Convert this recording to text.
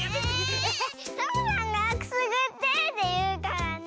サボさんが「くすぐって」っていうからね。